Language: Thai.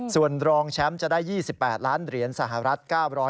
ส่วนรองแชมป์จะได้๒๘ล้านเหรียญสหรัฐ๙๕